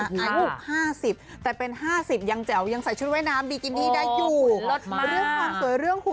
อายุ๕๐แต่เป็น๕๐ยังแจ๋วยังใส่ชุดว่ายน้ำบิกินี่ได้อยู่